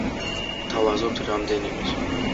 გთავაზობთ რამდენიმეს.